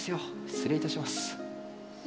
失礼いたします。